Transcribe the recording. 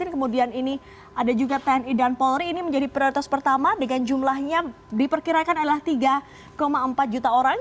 kemudian ini ada juga tni dan polri ini menjadi prioritas pertama dengan jumlahnya diperkirakan adalah tiga empat juta orang